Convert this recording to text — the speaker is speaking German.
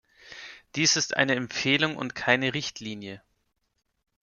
Dieses ist eine Empfehlung und keine Richtlinie.